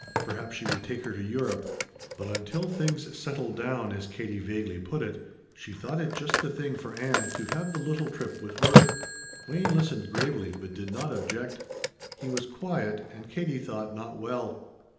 Perhaps she would take her to Europe. But until things settled down, as Katie vaguely put it, she thought it just the thing for Ann to have the little trip with Worth. Wayne listened gravely, but did not object. He was quiet, and, Katie thought, not well.